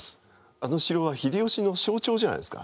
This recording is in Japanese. あの城は秀吉の象徴じゃないですか。